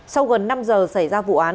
sau gần năm giờ xảy ra vụ án